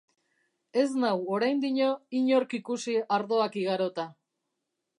Ez nau oraindino inork ikusi ardoak igarota.